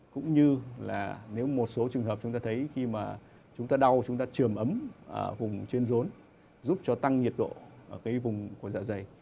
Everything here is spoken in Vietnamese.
cũng như là nếu một số trường hợp chúng ta thấy khi mà chúng ta đau chúng ta trường ấm ở vùng trên rốn giúp cho tăng nhiệt độ ở cái vùng của dạ dày